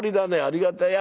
ありがたい。